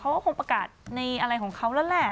เขาก็คงประกาศในอะไรของเขาแล้วแหละ